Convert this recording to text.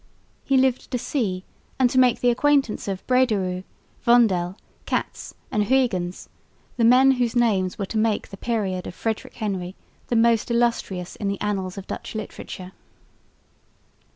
He lived to see and to make the acquaintance of Brederôo, Vondel, Cats and Huyghens, the men whose names were to make the period of Frederick Henry the most illustrious in the annals of Dutch literature.